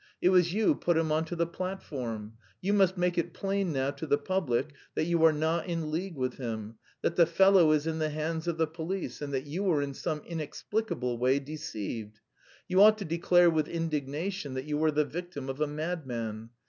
It was you put him on to the platform. You must make it plain now to the public that you are not in league with him, that the fellow is in the hands of the police, and that you were in some inexplicable way deceived. You ought to declare with indignation that you were the victim of a madman.